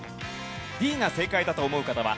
Ｄが正解だと思う方は＃